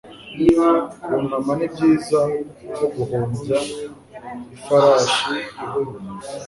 Kunama ni byiza nko guhumbya ifarashi ihumye.